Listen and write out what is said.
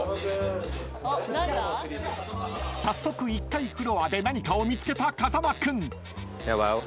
［早速１階フロアで何かを見つけた風間君］